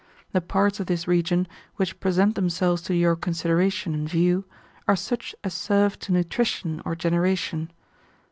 The parts of this region, which present themselves to your consideration and view, are such as serve to nutrition or generation.